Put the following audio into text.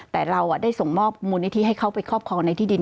แต่เราได้ส่งมอบมูลนิธิให้เขาไปครอบครองในที่ดิน